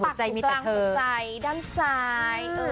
หัวใจมีแต่เธอปากอยู่กลางหัวใจด้านซ้าย